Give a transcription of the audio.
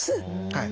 はい。